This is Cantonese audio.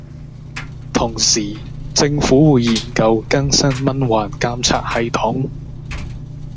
同時，政府會研究更新蚊患監察系統